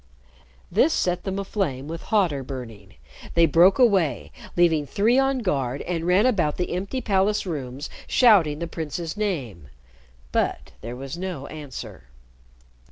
This set them aflame with hotter burning. They broke away, leaving three on guard, and ran about the empty palace rooms shouting the prince's name. But there was no answer.